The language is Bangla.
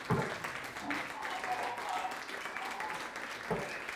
হাসপাতালের মেঝেতে পাতা বিছানায় বসে নির্যাতনের বর্ণনা দিতে গিয়ে তাসকিনা কান্নায় ভেঙে পড়ে।